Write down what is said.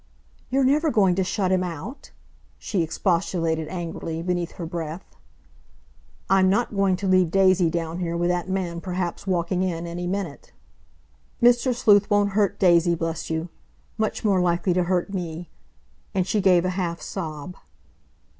"You're never going to shut him out?" she expostulated angrily, beneath her breath. "I'm not going to leave Daisy down here with that man perhaps walking in any minute." "Mr. Sleuth won't hurt Daisy, bless you! Much more likely to hurt me," and she gave a half sob.